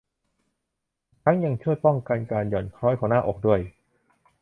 ทั้งยังช่วยป้องกันการหย่อนคล้อยของหน้าอกด้วย